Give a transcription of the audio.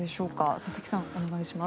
佐々木さん、お願いします。